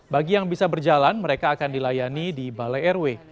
bagi yang bisa berjalan mereka akan dilayani di balai rw